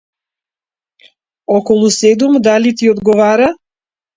околу седум, дали ти одговара?